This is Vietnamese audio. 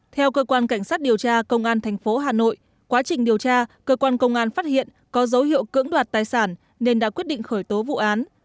theo cơ quan cảnh sát điều tra công an tp hà nội quá trình điều tra cơ quan công an phát hiện có dấu hiệu cưỡng đoạt tài sản nên đã quyết định khởi tố vụ án